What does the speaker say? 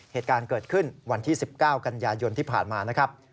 เหตุการณ์เกิดขึ้นวันที่๑๙กันยายนที่ผ่านมานะครับ